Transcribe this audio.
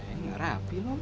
ya ini rapi loh